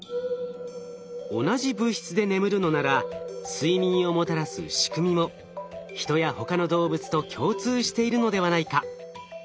同じ物質で眠るのなら睡眠をもたらす仕組みもヒトや他の動物と共通しているのではないか？